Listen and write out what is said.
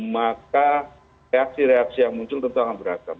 maka reaksi reaksi yang muncul tentu akan beragam